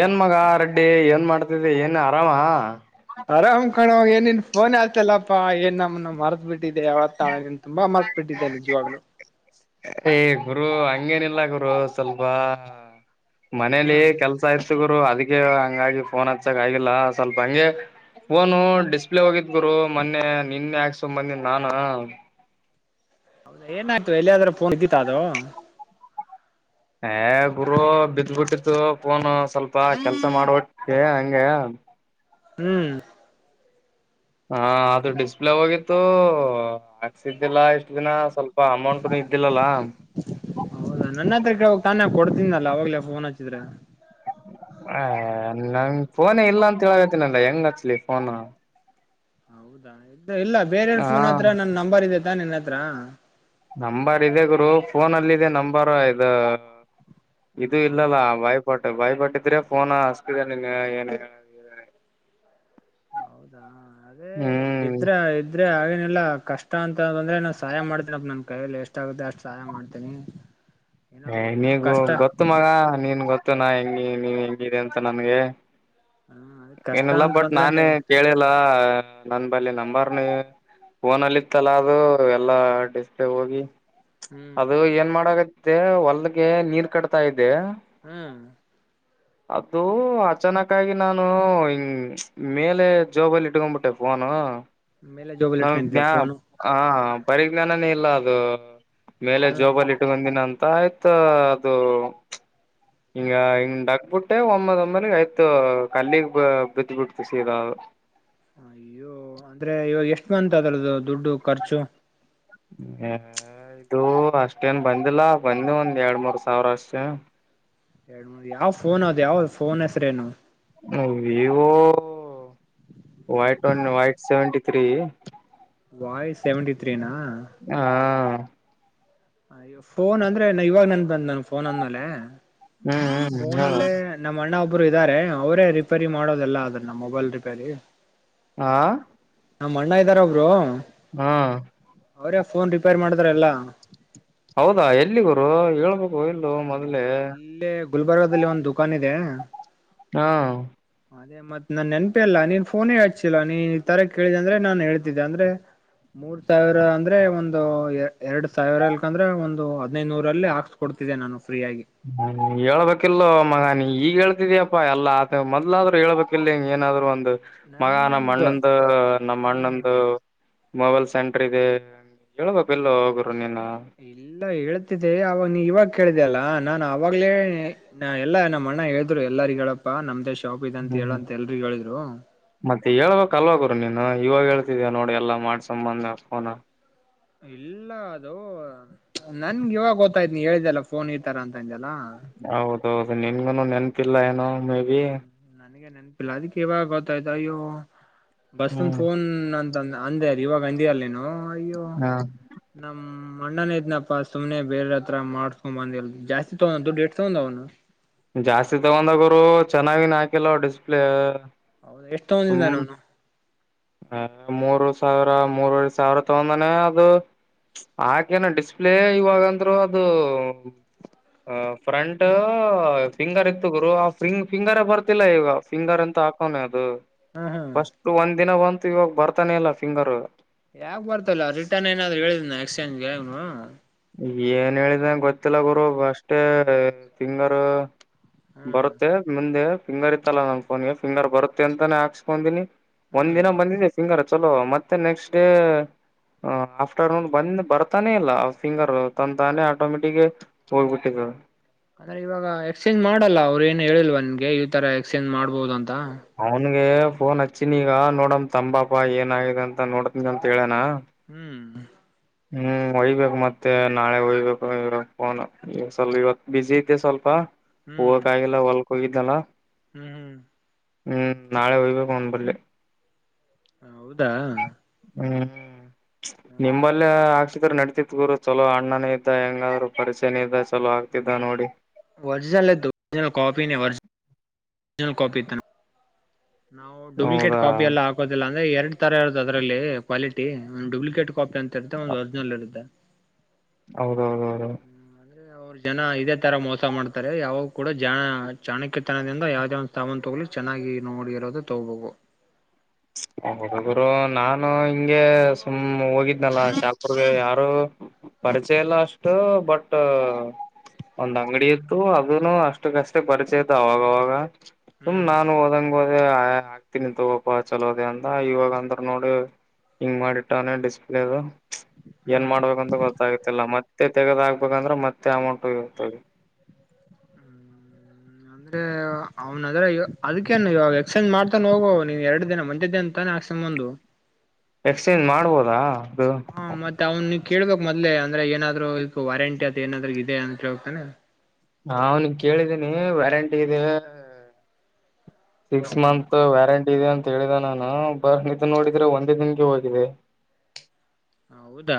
ಏನ್ ಮಗ ರೆಡ್ಡಿ ಏನ್ ಮಾಡ್ತಿದ್ದಿ ಏನ್ ಆರಾಮ ಆರಾಮ್ ಕಣವ ಏನನ್ ಫೋನ್ ಆಯತಲ್ಲಪ್ಪಾ ಏನ್ ನಮ್ಮನ ಮರ್ಥ ಬಿಟ್ಟಿದೆ ಯ ಹಾ ನಿನ್ ತುಂಬಾ ಮರ್ತ ಬಿಟ್ಟಿದ್ದೆ ನಿಜ್ವಾಗ್ಲೂ ಏ ಗುರು ಹಂಗೇನಿಲ್ಲ ಗುರು ಸ್ವಲ್ಪ ಮನೇಲಿ ಹ್ಮ್ ಕೆಲ್ಸ ಆಯತ್ ಗರು ಅದಕ್ಕೆ ಹಂಗಾಗಿ ಫೋನ್ ಹಚ್ಚಕ್ ಆಗಿಲ್ಲ ಸ್ವಲ್ಪ ಹಂಗೆ ಫೋನು ಡಿಸ್ಪ್ಲೇ ಹೋಗಿದ್ ಗುರು ಮೊನ್ನೆ ನಿನ್ನ ಯಾಕಸ್ ಬಂದಿದ ನಾನ ಏನ ಅಯ್ತು ಎಲ್ಲಿಯಾದ್ರೆ ಫೋನ್ ಇದ್ದೀತ ಅದು ಹೇ ಗುರು ಬಿದ್ದ್ಬಿಟ್ಟಿತ್ತು ಫೋನ್ ಸ್ವಲ್ಪ ಕೆಲ್ಸ ಮಾಡುವಟ್ಟೆ ಹಂಗೆ ಹ್ಮ್ ಹಾ ಅದು ಡಿಸ್ಪ್ಲೇ ಹೋಗಿತ್ತು ಹಾಕ್ಸಿದ್ದಿಲ್ಲಾ ಇಷ್ಟ ದಿನ ಸ್ವಲ್ಪ ಅಮೌಂಟ್ನು ಇದ್ದಿಲ್ಲಲ್ಲಾ ಹೌದಾ ನನ್ನ ಹತ್ರ ಕೇಳ್ಬೇಕು ತಾನೇ ಕೊಡ್ತನಲ್ಲ ಅವಾಗ್ಲೇ ಫೋನ್ ಹಚ್ಚಿದ್ರೆ ಹೇ ನಂಗ ಫೋನ್ ಇಲ್ಲ ಅಂತ ಹೇಳಗತನಲ್ಲ ಹೆಂಗ್ ಹತ್ಲಿ ಫೋನ್ ಹೌದಾ ಇಲ್ಲ ಬೇರೆಯರ್ ಹಾ ಫೋನ್ ಹತ್ರ ನನ್ ನಂಬರ್ ಇದೇತ ನಿನ್ನ ಹತ್ರ ನಂಬರ್ ಇದೆ ಗುರು ಫೋನ ಅಲ್ಲಿ ಇದೆ ನಂಬರ್ ಇದು ಹ್ಮ ಇದು ಹೌದಾ ಇಲ್ಲಲ್ಲ ವೈಫ ಬಾಯ್ ಬಟ್ಟಿದ್ರೆ ಫೋ ಹಸ್ಕಿದೆ ನಿನ್ ಏನ [unintelligible] ಹೌದಾ ಅದೇ ಹ್ಮ್ ಇದ್ರ ಇ ಆದ್ರೆ ಆಗೆನಿಲ್ಲ ಕಷ್ಟ ಅಂತ ಅಂದ್ರೆ ನಾ ಸಹಾಯ ಮಾಡ್ತೇನಪ್ಪ ನನ್ ಕೈಯಲ್ಲಿ ಎಷ್ಟಾಗುತ್ತೆ ಅಷ್ಟು ಸಹಾಯ ಮಾಡ್ತೇನಿ [inaudible] ನೀಗ ಗೊತ್ತು ಮಗ ನೀನ್ ಗೊತ್ತು ನ ಹೆಂಗಿ ನೀವ ಹೆಂಗಿದೆ ಅಂತ ನನ್ಗೆ ಹಾ ಅಯ್ತು ಏನಲ್ಲ ಬಟ್ ನಾನೇ ಕೇಳಿಲ್ಲ ನನ್ ಬಳಿ ನಂಬರ್ನ ಫೋನಲ್ಲಿತ್ತಲ್ಲ ಅದು ಎಲ್ಲ ಡಿಸ್ಪ್ಲೇ ಹೋಗಿ ಹ್ಮ್ ಅದು ಏನ್ ಮಾಡಾಗತ್ತೆ ಹೊಲ್ಗೆ ನೀರ್ ಕಟ್ತಾ ಇದೆ ಹ್ಮ್ ಅದು ಅಚಾನಕಾಗಿ ನಾ ನ ಮೇಲೆ ಜೋಬಲ್ಲಿ ಇಟ್ಕೊಂಬಟ್ಟೆ ಫೋನು ಮೇಲೆ ಜೋಬಲ್ ನಮ್ಗ್ ಇಟ್ಕೊಂಡಿದ್ಯಾ ಜ್ಞಾ ಫೋನು ಹ ಪರಿಜ್ಞಾನನೇ ಇಲ್ಲ ಅದು ಮೇಲೆ ಹ್ಮ್ ಜೋಬಲ್ ಇಟ್ಟ ಬಂದಿನ ಅಂತ ಆಯ್ತ ಅದು ಹಿಂಗ ಹಿಂಗ್ ಡಕ್ಬಿಟ್ಟೆ ಒಂಬೇಲ್ ಒಂಬೇಲ್ ಐತು ಕಲ್ಲಿಗ್ ಬ ಬಿದ್ದು ಬಿಡ್ತು ಸೀದ ಅದು ಅಯ್ಯೋ ಅಂದ್ರೆ ಇವಾಗ ಎಷ್ಟು ಬಂತು ಅದ್ರದು ದುಡ್ಡು ಖರ್ಚು ಹ ಇದು ಅಷ್ಟೇನ್ ಬಂದಿಲ್ಲ ಬಂದ ಒಂದ್ ಎರಡ್ ಮೂರ್ ಸಾವಿರ ಅಷ್ಟೇ ಎರಡ್ ಮೂರ್ ಯಾವ್ ಫೋನ್ ಅದ ಯಾವ್ದ ಫೋನ್ ಹೆಸ್ರೇನು ವಿವೋ ವೈ ಟ್ Y seventy three voice seventy ತ್ರೀನಾ ಹಾ ಅಯ್ಯ ಫೋನ್ ಅಂದ್ರೆ ನಾ ಇವಾಗ ನನ್ ಬಂದ ನನ್ ಫೋನ್ ಅಂದ್ಮೇಲೆ ಹ್ಮ್ ಹ್ಮ್ ಫೋನ್ ಹೇಳ ಅಲ್ಲೇ ನಮ್ಮ ಅಣ್ಣ ಒಬ್ರು ಇದ್ದಾರೆ ಅವರೇ ರಿಪೇರಿ ಮಾಡೋದೆಲ್ಲ ಅದ್ರ ನಮ್ಮ ಮೊಬೈಲ್ ರಿಪೇರಿ ಆ ನಮ್ಮ ಅಣ್ಣ ಇದ್ದಾರ ಒಬ್ರು ಹಾ ಅವ್ರೇ ಫೋನ್ ರಿಪೇರ್ ಮಾಡ್ತ್ ರಲ್ಲಾ ಹೌದಾ ಎಲ್ಲಿಗುರು ಹೇಳ್ಬೇಕು ಇಲ್ಲ ಅಯ್ಯೋ ಮೊದ್ಲೆೇ ಇಲ್ಲೇ ಗುಲ್ಬರ್ಗದಲ್ಲಿ ಒಂದು ದುಖಾನ್ ಇದೆ ಹಾ [unintelligible] ಮತ್ತತ್ ನಾನ್ ನೆನಪೆ ಅಲ್ಲ ನೀನ್ ಫೋನೇ ಹಚ್ಚಿಲ್ಲ ನೀನ್ ಈ ತರ ಕೇಳಿದ ಅಂದ್ರೆ ನಾನನ್ ಹೇಳ್ತಿದ್ದೆ ಅಂದ್ರೆ ಮೂರ್ ಸಾವಿರ ಅಂದ್ರೆ ಒಂದು ಎರಡ್ ಸಾವಿರ ಅಲ್ಕಂದ್ರೆ ಒಂದು ಹದಿನೈದು ನೂರು ಅಲ್ಲಿ ಹಾಕ್ಸ್ ಕೊಡ್ತ ತಿರ್ಗ ನಾನು ಫ್ರೀಯಾಗಿ ಹ್ಮ್ ಹೇಳ್ಬೇಕಿಲ್ೋ ಮಗ ನೀ ಈಗ ಹೇಳ್ತಿದಿಯಪ್ಪಾ ಎಲ್ಲಾತ ಮೊದ್ಲಾದ್ರರು ಹೇಳ್ಬೇಕಿಿಲ್ಲ ಹಿಂಗ ಏನಾದ್ರು ಒಂದು ಮಗ ನನ್ಗೇನ್ ನಮ್ಮ ಗೊ ಅಣ್ಣಂದು ನಮ್ಮ ಅಣ್ಣಂದು ಮೊಬೈಲ್ ಸೆಂಟರ್ ಇದೆ ಏಳ್ಬೇಕಲೋ ಗುರು ನೀನು ಇಲ್ಲ ಹೇಳ್ತಿದೆ ಅವವಾಗ ನೀ ಇವಾಗ ಕೇಳಿದೆಲ್ಲ ನಾನು ಅವವಾಗಲೇ. ನಾ ಎಲ್ಲಾ ನಮ್ಮ್ ಅಣ್ಣ ಹೇಳಿದ್ರು ಎಲ್ಲರಿ ಹೇಳಪ್ಪಾ ನಮ್ದೇ ಶಾಪ್ ಇ ಅಂತ ಹ್ಮ್ ಹೇಳಂತ ಎಲ್ರಿ ಹೇಳಿದ್ರು ಮತ್ತೆ ಹೇಳ್ಬೇಕ ಅಲ್ವ ಗುರು ನೀನು ಇವಾಗೇಳ್ತಿದೀಯ ನೋಡಿ ಎಲ್ಲಾ ಮಾಡ್ಸಕೊಂಡಬಂದ್ ಮೇಲೆ ಫೋನು ಇಲ್ಲ ಅದು ನನ್ಗೆ ಇವಾಗ ಗಓತ್ತಾಯ್ತ ನೀ ಹೇಳಿದೆಲ್ಲ ಫೋನ್ ಇರ್ತಾರ ಅಂತ ಅಂದಲ್ಲ ಹೌದೌದು ನಿನ್ಗುನು ನೆನ್ಪಿಲ್ಲ ಏನೋ ಮೇ ಬಿ ಹ್ಮ್ ನನಗೆ ನೆನಪಿಲ್ಲ ಅದಕ್ಕೆ ಇವಾಗ ಗೊತ್ತ ಆಯ್ತ ಅಯ್ಯೋ ಬಸ್ಂದ ಹ್ಮ್ ಫೋನ್ ನಂತ ಅಂದೇ ಇವಾಗ ಅಂದಲ್ಲೇನು ಅಯ್ಯೋ ಹಾ ನಮ್ ಮಣ್ಣನ ಇದ್ನಪ್ಪಾ ಸುಮನೆ ಬೇರೆ ಹತ್ರ ಮಾಡಸ್ಕೊಂಡ ಬಂದಲ್ ಜಾಸ್ತಿ ತಗೊಂಡ್ದು ದುಡ್ಡು ಎಷ್ಟು ತಗೊಂಡ ಅವನು ಜಾಸ್ತಿ ತಗೊಂದ ಗುರು ಚೆನ್ನಾಗಿ ಹಾಕಿಲ್ಲ ಡಿಸ್ಪ್ಲೇ ಹೌದು ಎಷ್ಟೊಂತಗೋದಿನೊವನು ಹ ಮೂರು ಸಾವಿರ ಮೂರವರೆ ಸಾವಿರ ತಗೊಂದನೆ ಅದು ಆಕೇನ ಡಿಸ್ಪ್ಲೇ ಇವಾಗಂದ್ರು ಅದು ಆ ಫ್ರಂಟ್ ಫಿಂಗರ್ ಇತ್ತು ಗುರು ಆ ಫಿಂಗ್ ಫಿಂಗರ್ ಬರ್ತಿಲ್ಲ ಈಗ ಫಿಂಗರ್ ಅಂತ ಹಾಕ್ ಹೌನ ಅದು ಹ್ಮ್ ಹ್ಮ್ ಫಸ್ಟ್ ಒಂದ್ ದಿನ ಬಂತು ಇವಾಗ ಬರ್ತಾನೆ ಇಲ್ಲ ಫಿಂಗರ್ ಯಾಕ್ ಬರ್ತಲ್ಲ ರಿಟರ್ನ್ ಏನಾದ್ರು ಹೇಳಿದ್ನ ಎಕ್ಸ್ಚೇಂಜ್ಗೆನು ಏನು ಹೇಳಿದಂಗೆ ಗೊತ್ತಿಲ್ಲ ಗುರು ಅಷ್ಟೇ ತಿಂಗಾರ ಹ್ಮ್ ಬರುತ್ತೆ ಮುಂದೆ ಫಿಂಗರ್ ಇತ್ತಲ್ಲ ನನ್ ಫೋನ್ಗೆ ಫಿಂಗರ್ ಬರುತ್ತೆ ಅಂತಾನೇ ಹಾಕ್ಸ್ಕೊಂಡೀನಿ ಒಂದ್ ಹ್ಮ್ ದಿನ ಬಂದಿದೆ ಪಿಂಗರ್ ಚಲೋ ಮತ್ತೆ ನೆಕ್ಸ್ಟ್ ಡೇ ಹ ಆಫ್ಟರ್ನೂನ್ ಬಂದ್ ಬರ್ತಾನೆ ಇಲ್ಲ ಫಿಂಗರ್ ತಂದಾನೆ ಆಟೋಮೆಟಿಿಗೆ ಹೋಗ್ಬಿಟ್ಟಿದ್ದ ಅಂದ್ರೆ ಇವಾಗ ಎಕ್ಸ್ಚೇಂಜ್ ಮಾಡಲ್ಲ ಅವ್ರು ಏನು ಹೇಳಿಲ್ವ ನನ್ಗೆ ಈ ತರ ಎಕ್ಸ್ಚೇಂಜ್ ಮಾಡ್ಬಹುದು ಅಂತ ಅವನ್ಗೆ ಫೋನ್ ಹಚ್ಚಿನ ಈಗ ನೋಡಮ ತಂಬಾಪ ಏನ ಆಾಗಿದೆ ಅಂತ ನೋಡ್ತನ್ ಅಂತ ಹೇಳೇನಾ ಹ್ಮ್ ಹ್ಮ್ ಒಯ್ಬೇಕು ಮತ್ತೆ ನಾಳೆ ಒಯ್ಬೇಕು ಇಾಗ ಫೋನ್ ಈ ಸ್ವಲ್ಪ ಇವತ್ ಬಸಿ ಇದ್ದೆ ಸ್ವಲ್ಪ ಹ್ಮ್ ಹೂೋಗಕ್ ಆಾಗಿಲ್ಲ ಹೊಲ್ಕ್ ಹೋಗಿದ್ದಲ್ಲ ಹ್ಮ್ ಹ್ಮ್ ಹ್ಮ್ ನಾಳೆ ಹೋಗ್ಬೇಕು ಒಂದ ಬರ್ೆ ಹ ಹೌದಾ ಹ್ಮ್ ಹ್ಮ್ ಲ್ ಆಕದರು ನಡತತ್ ಗೂರು ಚಲೋ ಅಣ್ಣನೇ ಇದ್ದ ಹೆಂಗಾದ್ರರು ಪರಿಚಯನ ಇದ್ದ ಚಲೋ ಆಗ್ತಿದ್ದ ನೋಡಿ ಹ್ಮ ರಿಜಿನಲ್ ಜ ಕಪಿಜ ಕಪಿ ಇದ ನಾವು ಡುೂಪ್ಲಿಕೇಟ್ ಹೌದಾ ಕಾಪಿ ಎಲ್ಲ ಹಾಕೋದಿಲ್ಲ ಅಂದ್ರೆ ಎರಡ್ ತರ ಇರೋದು ಅದರಲ್ಲಿ ಕ್ಲಿಟಿ ಒ ಡುಪ್ಲಿಕೇಟ್ ಕಾಪ ಅಂತ ಇತೆ ಒಂದುರ್ಜಿನಲ್ ಇರು್ದೆ ಹೌದೌದ ಹೌದು ಅವ್ರ ಜನ ಇದೇ ತರ ಮೋಸ ಮಾಡ್ತಾರೆ ಯಾವಾಗ ಕೂಡ ಜ ಚಾಣಕ್ಯತನದಿಂದ ಯಾವ್ದ ಒ ತಾವಂದು ತಗಲಿಕ್ಕೆ ಚೆನ್ನಾಗಿ ನೋಡಿ ಇರೋದು ತಗೋಬೇಕು ಹ ಹಡುರು ನಾನು ಹಿಂಗೆ ಸುಮ್ ಹೋಗಿದ್ನಲ್ಲ ಚಾಲ್ಪುರ್ಗೆ ಯಾರು ಪರಿಚಯ ಎಲ್ಲ ಅಷ್ಟು ಬಟ್ ಒಂದ್ ಅಂಗಡಿ ಇತ್ತು ಅದನು ಅಷ್ಟಕ್ಕಷ್ಟೇ ಪರಿಚಯದು ಅವಾಗವಾಗ ಸುಮ್ ಹ್ಮ್ ನಾನು ಹಓದಂಗ ಹೋದ ಹಾಕ್ತೀನಿ ತ ತುಪ್ಪ ಚಲೋ ಅದೇ ಅಂದ ಇವಾಗ ಅಂದ್ರ ನೋಡಿ ಹಿಂಗ್ ಮಾಡಿಟ್ಟಾನೆ ಡಿಸ್ಪ್ಲೇದು ಏನ್ ಹ್ಮ್ ಮಾಡ್ಬೇಕಂತ ಗೊತ್ತಾಗತಿಲ್ಲ ಮತ್ತೆ ತೆಗದಾಗಕ್ಬೇಕಂದ್ರೆ ಮತ್ತೆ ಅಮೌಂಟ ಇತ ಅಂದ್ರೆ ಅವ್ನ ಅದ್ರ ಅದಕ್ಕೇನು ಇವಾಗ ಎಕ್ಸ್ಚೇಂಜ್ ಮಾಡ್ತಾನ ಹೋಗುವ ನೀವು ಎರಡು ದಿನ ಮಂದಿದ್ದೆ ಅಂತ ೆಾಕ್ಸಧಂದು ಎಕ್ಸ್ಚೇಂಜ್ ಮಾಡ್ಬೋದಾ ಅದು ಹಾ ಮತ್ತತ್ ಅವ್ ನೀ ಕೇಳಬೇಕ ಮೊದ್ ಅ್ರ ಏನಾದ್ರು ಇ ವಾರಂಟಿ ಅದ ಏನಾದ್ರೂ ಇ ಅಂತೇಳ್ಬೇಕಕ್ತಾನೆ ಅವನ್ ಕೇಳಿದ್ದೀನಿ ವ್ಯಾರಂಟಿ ಇದೀ ಸಿಕ್ಸ್ ಹ್ಮ್ ಮಂತ್ ವ್ಯಾರಂಟಿ ಹೇಳಿದ ನಾನ ಬರ್ ನಿಿದ್ದ ನೋಡಿದ್ರೆ ಒಂದೇ ದಿನಗೆ ಹೋಗಿದೆ ಹೌದಾ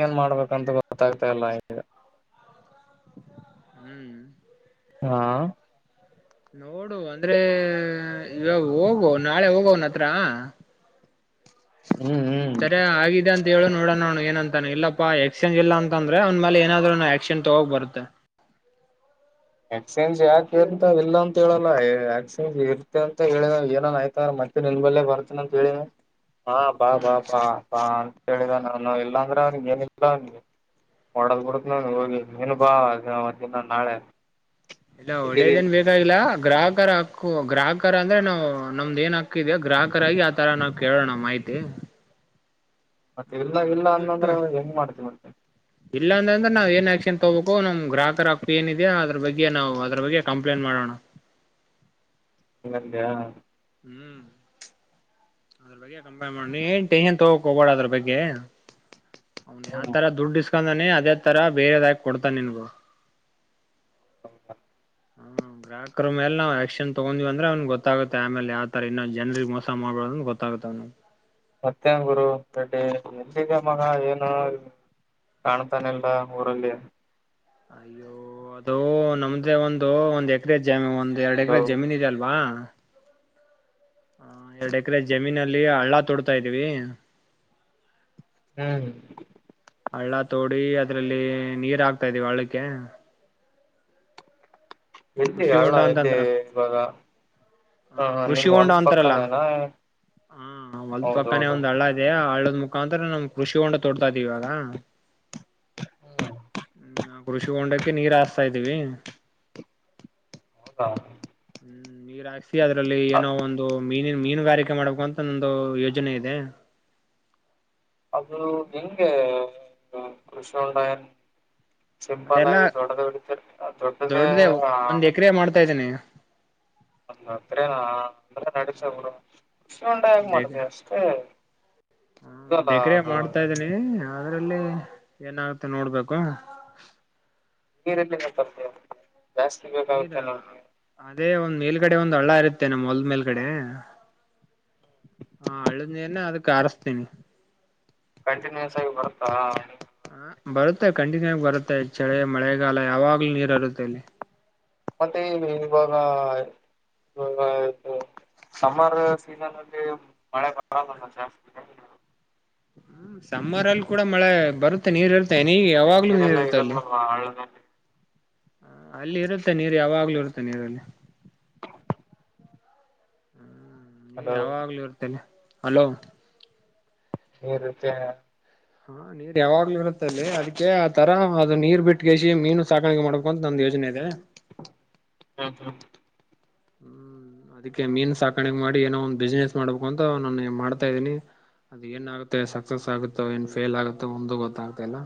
ಏನ್ ಮಾಡ್ಬೇಕಂತ ಗೊತ್ತಾಗ್ತಾ ಇಲ್ಲ ಹ್ಮ್ ಹಾ ನೋಡು ಅಂದ್ರೆ ಇವ ಹೋಗುವ ನಾಳೆ ಹೋಗವನ ಹತ್ರ ಹ್ಮ್ ಈ ಹ್ಮ್ ತರ ಆಗಿದೆ ಅಂತ ಹೇಳು ನೋಣೋ ಏನ ಅಂತ ಇಲ್ಲಪ್ಪ ಎಕ್ಸೆಜ ಇಲ್ಲ ಅಂದ್ರೆಂದ್ ಮೇ ಏನಾದ್ರುಕ್ಸೆಜ ತಗ್ ಬರುತ್ತೆ ಎಕ್ಸ್ಚೇಂಜ್ ಯಾಕೆ ಇರ್ತ ಇಲ್ಲ ಅಂತ ಹೇಳಲ್ಲ ಎಕ್ಸ್ಚೇಂಜ್ ಇರ್ತ ಅಂತ ಹೇಳಿದ ಏನನ್ ಆಯ್ತಾರ ಮತ್ತೆ ನಿನ್ ಬಲ್ಲೆ ಬರ್ತನ ಅಂತ ಹೇಳಿದ ಹಾ ಬಾ ಬಾ ಹ್ಮ್ ಬಾ ಬಾ ಹೇಳಿದ ನಾನು ಇಲ್ಲ ಅಂದ್ರೆ ಅವನಗ ಏನಿಿಲ್ಲ ಅವನಿಗೆ ಡದ್ ಬಿಡ ಹೋಗಿ ನೀನು ಬಾ ಮಧಿನ ನಾಳೆ ಇಲ್ಲ ಒಡೇದೇನ್ ಎಲ್ಲಿದ್ದೀನಿ ಬೇಕಾಗಿಲ್ಲಾ ಗ್ರಾಹಕರ ಹ ೋ ಗ್ರಾಹಕ ಅಂದ್ರೆ ನಾವು ನಮ್ದ್ ಏನ್ ಹಾಕ್ಕಿದ್ಯೋ ಗ್ರಾಹಕರ ಆಾಗಿಿ ಆ ತರ ನಾವ್ ಕೇಳೋಣ ಮಾಹಿತಿ ಮತ್ತೆ ಇಲ್ಲ ಹ್ಮ್ ಇಲ್ಲ ಅದನ್ ಬಿಟ್ಟು ಅನ್ನಂದ್ರ ಇವಾಗ ಹೆಂಗ್ ಮಾಡ್ತಿ ಮತೇ ಇಲ್ಲ ಅಂದನಂದ್ರ ನಾವ ಏನ್ ಆಕ್ಷನ್ ತಗೋಬೇಕು ನಮ್ ಗ್ರಾಹಕರ ಹಕ್ಕು ಏನಿದೆ ಅದರ ಬಗ್ಗೆ ನಾವು ಅದರ ಬಗ್ಗೆ ಕಂಪ್ಲೇಂಟ್ ಮಾಡೋಣ ಹಂಗಂದ್ಯ್ ಹ್ಮ್ ಅದರ ಬಗ್ಗೆ ಕಂಪೇಲೆಂಟ್ ಮಾಡ ನೀ ಏನ್ ಟೆನ್ಷನ್ ತಗೋಕ್ ಹೋಗಬಾಡ ಅದ್ರ ಬಗ್ಗೆ ಅವ್ನ್ ಯಾವ ಹ್ಮ ತರ ದುಡ್ಡ ಇಸಕೂಂದಾನೆ ಅದೇ ತರ ಬೇರೆದಾಗ ಕೊಡ್ತಾನ ನಿನಗು ಹೌದಾ ಗ್ರಾಹಕರ್ ಮೇಲೆ ನಾವ್ ಆಕ್ಷನ್ ತಗೊಂದಿವ್ ಅಂದ್ರ ಅವ್ನಗ ಗೊತ್ತಾಗುತ್ ಆಮೇಲ್ ಯಾವತರ ಇನ್ನೂಂದ್ ಜನರಿಗೆ ಮೋಸ ಮಾಡಬಾರದ ಅಂತ್ ಗೊತ್ತಾಗುತ್ತೆ ಅವ್ನಿಗ ಮತ್ತೇನ್ ಗುರು ರೆಡ್ಡಿ ಎಲ್ಲಿಗೆ ಮಗ ಏನು ಕಾಣ್ತಾನೆ ಇಲ್ಲ ಊರಲ್ಲಿ ಅಯ್ಯೋ ಅದು ನಮ್ದೇ ಒಂದು ಒಂದ್ ಎಕರೆ ಜಮ ಒಂದ್ ಎರಡ್ ಹಲೋ ಎಕರೆ ಜಮೀನ್ ಇದೆಲ್ವಾ ಹ ಎರಡ್ ಎಕರೆ ಜಮೀನಲ್ಲಿ ಹಳ್ಳ ತೊಡ್ತಾ ಇದೀವಿ ಹ್ಮ್ ಹಳ್ಳ ತೋಡಿ ಅದ್ರಲ್ಲಿ ನೀರ್ ಹಾಕ್ತಾ ಇದೀವಿ ಹಳ್ಳಕ್ಕೆ ಎಲ್ಲಿ ಕೃಷಿ ಹಳ್ಳ ಹೊಂಡ ಎಲ್ಲಿ ಅಂತಂತರ ಇವಾಗಾ ಹ ಕೃಷಿಹೊಂಡ ಅಂತಾರಲ್ಲ ಪಕ್ಕನೇನಾ ಹ ಹೊಲದ್ ಪಕ್ಕಾನೇ ಹೌದೌದು ಒಂದ್ ಹಳ್ಳ ಇದೇ ಹಳ್ಳದ್ ಮುಖಾಂತರ ನಮ್ ಕೃಷಿ ಹೊಂಡ ತೋಡ್ತಾ ಇದಿವಿ ಇವಾಗ ಹ್ಮ್ ನಾ ಕೃಷಿ ಹೊಂಡಕ್ಕೆೆ ನೀರ್ ಹಾಸ್ತಾ ಇದ್ದೀವಿ ಹೌದಾ ಹ್ಮ್ ನೀರ ಹಾಕ್ಸಿ ಅದ್ರಲ್ಲಿ ಏನೋ ಒಂದು ಮೀನಿನ ಮೀನುಗಾರಿಕೆ ಮಾಡ್ಬೇಕು ಅಂತ ಒಂದು ಯೋಜನೆ ಇದೆ. ಅದು ಹೆಂಗೆ ಈಗ ಕೃಷಿಹೊಂಡಾಯನ್. ಸಿಂಪಲ್ ಅದೆಲ್ಲಾ ಆಗಿ ದೊಡ್ಡದೇ ಹೊಡಿತರಿ ಅದ್ ದೊಡ್ಡದೇ. ಒಂದ್ ಎಕರೆ ಮಾಡ್ತಾ ಇದ್ದೀನಿ. ಹಂಗಂದ್ರೆ ನಾ ಅಂದ್ರೆ ನಡಿತದ ಬುಡು ಕೃಷಿ ಹೋಂಡ ಹೆಂಗ ಮಾಡತಿ ಅಷ್ಟೇ. ಹ್ಮ್ ಇದಲ್ಲ ಒಂದ್ ಎಕರೆ ಅದು ಮಾಡ್ತಾ ಇದೀನಿ ಅದ್ರಲ್ಲಿ ಏನಾಗುತ್ತೆ ನೋಡ್ಬೇಕು. ನೀರೆಲ್ಲಿಂದ ತರ್ತೀಯ್ ನೀರ್ ಅದೇ ಒಂದ್ ಮೇಲ್ಗಡೆ ಒಂದ್ ಹಳ್ಳ ಇರುತ್ತೆ ನಮ್ಮ ಹೊಲ್ದ್ ಮೇಲ್ ಗಡೆ. ಹಾ ಹಳ್ಳದ ನೀರನ್ ಅದಕ್ ಆರಸ್ತೀನಿ. ಕಂಟಿನ್ಯೂಸ್ ಆಗಿ ಬರುತ್ತಾ. ಹ ಬರುತ್ತೆ ಕಂಟಿನ್ಯೂ ಆಗಿ ಬರುತ್ತೆ ಚಳೆ ಮಳೆಗಾಲ ಯಾವಾಗ್ಲೂ ನೀರು ಅರಿಯುತ್ತೆ ಅಲ್ಲಿ. ಮತ್ತೆ ಈ ಇವಾಗಾ ಇವಾಗ ಸಮ್ಮರ್ ಸೀಸನ್ ಅಂತೇಳ ಮಳೆ ಬರಲ್ಲ್ ಅಲ್ಲ ಜಾಸ್ತಿ ಸಮ್ಮರ ಅಲ್ಲಿ ಕೂಡ ಮಳೆ ಬರುತ್ತೆ ನೀರ್ ಇರ್ತ್ತೆ ಏನೀ ಯಾವಾಗ್ಲೂ ನೀರ್ ನೀರೆಲ್ಲ ಇರುತ್ತೆ ಅಲ್ಲಿ ಇರಲ್ವಲ್ವಾ ಹಳ್ಳದಲ್ಲಿ ಹ ಅಲ್ಲಿ ಇರುತ್ತೆ ನೀರು ಯಾವಾಗ್ಲೂ ಇರುತ್ತೆ ನೀರಲ್ಲಿ. ನೀರ್ ಹಲೋ ಯಾವಾಗ್ಲೂ ಇರ್ತಲ್ಲಿ ಅಲೋ. ನೀರ ಇರುತ್ತೆ ಹಾ ನೀ.. ಯಾವಾಗ್ಲೂ ಇರುತ್ತ ಅಲ್ಲಿ ಅದಕ್ಕೆ ಆ ತರ ಅದು ನೀರ್ ಬಿಟ್ಟಗೇಸಿ ಮೀನು ಸಾಕಾಣಿಕೆ ಮಾಡ್ಬೇಕು ಅಂತ ನಂದ ಯೋಜನೆ ಇದೆ. ಹ್ಮ ಹ್ಮ್. ಹ್ಮ್ ಅದಕ್ಕೆ ಮೀನ್ ಸಾಕಾಣಿಕ ಮಾಡಿ ಏನೋ ಒಂದ್ ಬಿಸ್ನೆಸ್ ಮಾಡ್ಬೇಕು ಅಂತ ನಾನು ಮಾಡ್ತಾ ಇದೀನಿ. ಅದ ಏನ್ ಆಗುತ್ತೆನ್ ಸಕ್ಸಸ್ ಆಗುತ್ತೋ ಏನ್ ಫೇಲ್ ಆಗುತ್ತೋ ಒಂದು ಗೊತ್ತಾಗತ್ತ ಇಲ್ಲ.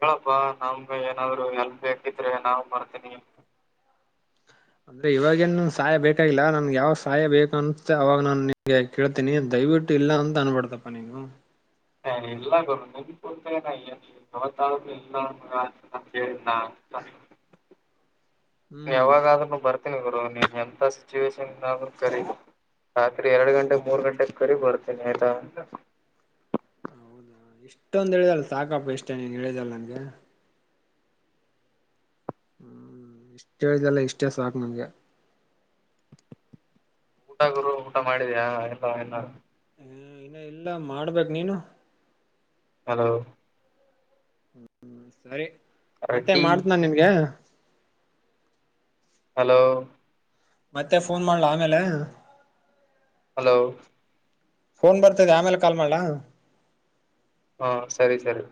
ಹೇಳಪ್ಪಾ ನಮ್ದ ಏನಾದ್ರು ಹೆಲ್ಪ್ ಬೇಕಿದ್ರೆ ನಾವು ಬರ್ತೀನಿ. ಅಂದ್ರೆ ಇವಾಗೇನು ಸಹಾಯ ಬೇಕಾಗಿಲ್ಲ ನನ್ಗ ಯಾವಗ ಸಹಾಯ ಬೇಕು ಅನ್ಸುತ್ತೆ ಅವಾಗ ನಾನ್ ನಿಮಗೆ. ಕೇಳ್ತೀನಿ ದಯವಿಟ್ಟು ಇಲ್ಲ ಅಂತ ಅನ್ಬಡ್ತಪ್ಪಾ ನೀನು. ಇಲ್ಲ ಗುರು ಕೊಡ್ತ [unintelligible] [unintelligible] ಹ್ಮ್ ಯಾವಾಗಾದರು ಬರ್ತೀನಿ ಗುರು ನೀನ್ ಎಂತ ಸಿಚುವೇೇಶನ್ ಆದ್ರೂ ಕರೀ. ರಾತ್ರಿ ಎರಡು ಗಂಟೆಗೆ ಮೂರ್ ಗಂಟೆಗೆ ಕರಿ ಬರ್ತೇನೆ ಆಯ್ತಾ. ಹೌದಾ ಇಷ್ಟೊಂದ್ ಹೇಳಿದಲ್ಲ ಸಾಕಪ್ಪ ಎಷ್ಟೇ ನೀನ್ ಹೇಳಿದಲ್ ನನ್ಗೆ. ಹ್ಮ್ ಹೇಳಿದೆಲ್ಲ ಇಷ್ಟೇ ಸಾಕ್ ನನ್ಗೆ. ಊಟ ಗುರು ಊಟ ಮಾಡಿದ್ಯಾ ಎಲ್ಲ ಇಲ್ಲ. ಹ್ಮ ಇನ್ನ ಇಲ್ಲ ಮಾಡ್ಬೇಕು ನೀನು. ಹಲೋ ಹ್ಮ ಸರಿ ಅರೆ ಮತ್ತೆ ಟೀ ಮಾಡತನ ನಿನ್ಗೆ. ಹಲೋ ಮತ್ತೆ ಫೋನ್ ಮಾಡ್ಲ ಆಮೇಲೆ. ಹಲೋ ಫೋನ್ ಬರ್ತಿದೆ ಆಮೇಲೆ ಕಾಲ್ ಮಾಡಲಾ? ಹಾ ಸರಿ ಸರಿ.